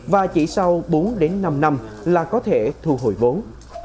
và chỉ sau bốn đến năm năm là có thể thu hồi vốn